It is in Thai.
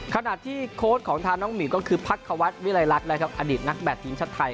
ขณะที่โค้ดของทางน้องหมิวก็คือพักควัฒน์วิลัยลักษณ์นะครับอดีตนักแบตทีมชาติไทย